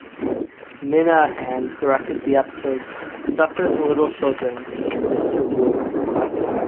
Minahan directed the episodes "Suffer the Little Children" and "Mister Wu".